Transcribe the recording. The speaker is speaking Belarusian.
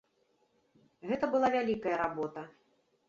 Гэта была вялікая работа.